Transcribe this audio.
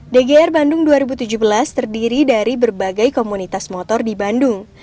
dgr bandung dua ribu tujuh belas terdiri dari berbagai komunitas motor di bandung